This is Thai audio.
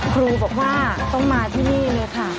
ครูบอกว่าต้องมาที่นี่เลยค่ะ